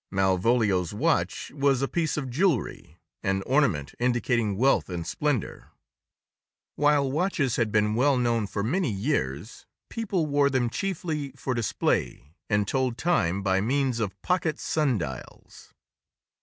Malvolio's watch was a piece of jewelry, an ornament indicating wealth and splendor. While watches had been well known for many years, people wore them chiefly for display and told time by means of pocket sun dials.